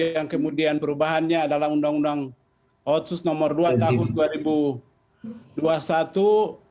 yang kemudian perubahannya adalah undang undang otsus nomor dua tahun dua ribu dua puluh satu